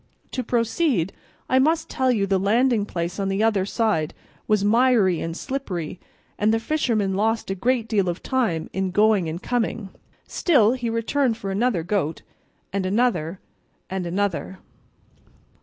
To proceed, I must tell you the landing place on the other side was miry and slippery, and the fisherman lost a great deal of time in going and coming; still he returned for another goat, and another, and another."